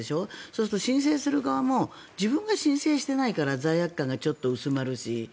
そうすると申請する側も自分が申請してないから罪悪感がちょっと薄まるし。